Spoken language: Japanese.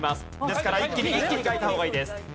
ですから一気に書いた方がいいです。